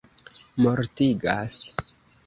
mortigas